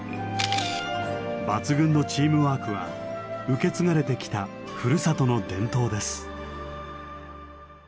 抜群のチームワークは受け継がれてきたふるさとの伝統です。